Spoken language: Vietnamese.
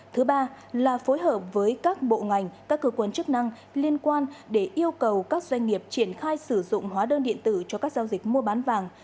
thứ ba là phối hợp với các bộ ngành các cơ quan chức năng liên quan để yêu cầu các doanh nghiệp triển khai sử dụng hóa đơn điện tử cho các giao dịch mua bán vàng